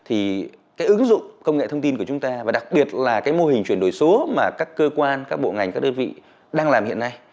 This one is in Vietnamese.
thì cái ứng dụng công nghệ thông tin của chúng ta và đặc biệt là cái mô hình chuyển đổi số mà các cơ quan các bộ ngành các đơn vị đang làm hiện nay